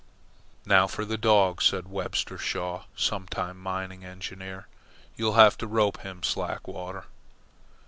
"Now for the dog," said Webster Shaw, sometime mining engineer. "You'll have to rope him, Slackwater."